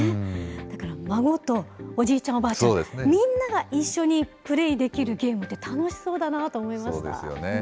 だから孫とおじいちゃん、おばあちゃん、みんなが一緒にプレイできるゲームって楽しそうだなって思いましそうですよね。